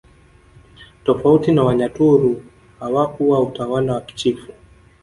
Tofauti na Wanyaturu hawakuwa utawala wa kichifu